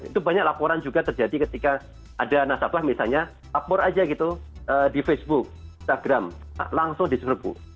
itu banyak laporan juga terjadi ketika ada nasabah misalnya lapor aja gitu di facebook instagram langsung diserbu